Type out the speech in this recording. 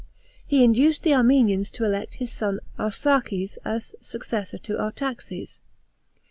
He induced the Armenians to elect his son Arsacr s as successor of Artaxes.